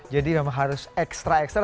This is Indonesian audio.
jadi memang harus ekstra ekstra